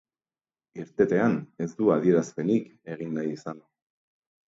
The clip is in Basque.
Irtetean ez du adierazpenik egin nahi izan.